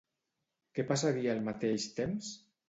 Què passaria al mateix temps?